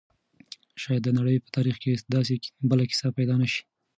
شاید د نړۍ په تاریخ کې داسې بله کیسه پیدا نه شي.